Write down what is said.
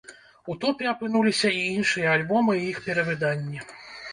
У топе апынуліся і іншыя альбомы і іх перавыданні.